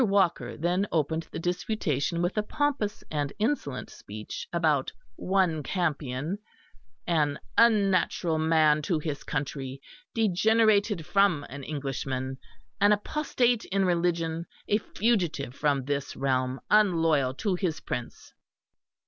Walker then opened the disputation with a pompous and insolent speech about "one Campion," an "unnatural man to his country, degenerated from an Englishman, an apostate in religion, a fugitive from this realm, unloyal to his prince."